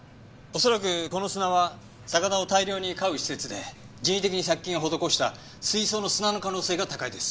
恐らくこの砂は魚を大量に飼う施設で人為的に殺菌を施した水槽の砂の可能性が高いです。